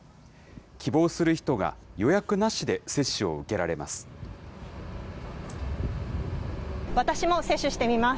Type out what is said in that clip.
希望する人が予約なしで接種を受けられます。